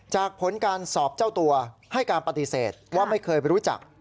ผลการสอบเจ้าตัวให้การปฏิเสธว่าไม่เคยรู้จัก